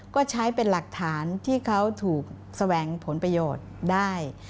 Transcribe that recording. ก็ใช้เป็นหลักฐานที่เขาถูกแสวงผลประโยชน์ได้